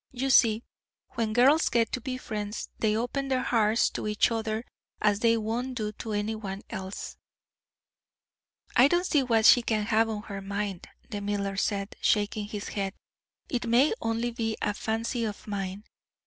You see, when girls get to be friends, they open their hearts to each other as they won't do to any one else." "I don't see what she can have on her mind," the miller said, shaking his head. "It may only be a fancy of mine.